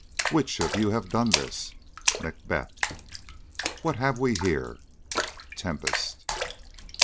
Which of you have done this? MACBETH. What have we here? TEMPEST.